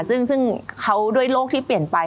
ซึ่งเขาด้วยโลกที่เปลี่ยนไป